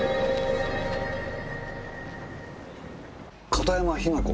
片山雛子？